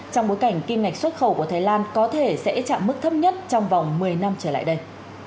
trong bối cảnh kim ngạch xuất khẩu của thái lan có thể sẽ chạm mức thấp nhất trong vòng một mươi năm trở lại đây